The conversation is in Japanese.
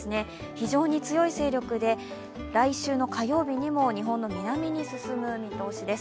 非常に強い勢力で来週の火曜日にも日本の南に進む見通しです。